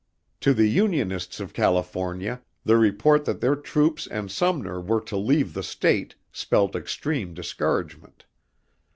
To the Unionists of California, the report that their troops and Sumner were to leave the state spelt extreme discouragement.